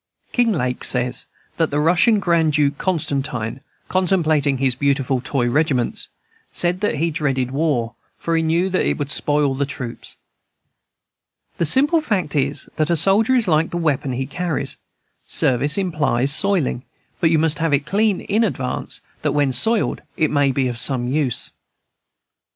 Kinglake says that the Russian Grand Duke Constantine, contemplating his beautiful toy regiments, said that he dreaded war, for he knew that it would spoil the troops. The simple fact is, that a soldier is like the weapon he carries; service implies soiling, but you must have it clean in advance, that when soiled it may be of some use.